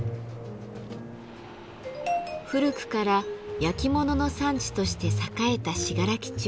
古くから焼き物の産地として栄えた信楽町。